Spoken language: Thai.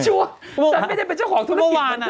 ฉันไม่ได้เป็นเจ้าของธุระติศบท่านนะคะ